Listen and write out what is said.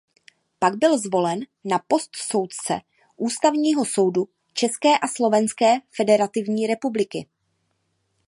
Pak byl zvolen na post soudce Ústavního soudu České a Slovenské Federativní Republiky.